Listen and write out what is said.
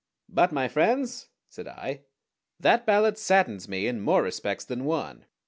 "But, my friends," said I, "that ballad saddens me in more respects than one.